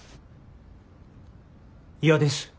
嫌です。